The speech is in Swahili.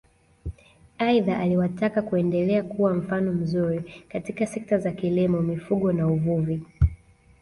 Aidha aliwataka kuendelea kuwa mfano mzuri katika sekta za kilimo mifugo na uvuvi